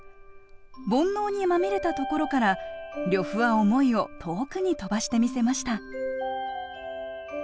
煩悩にまみれたところから呂布は想いを遠くに飛ばしてみせました。